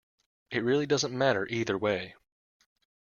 It really doesn't matter either way.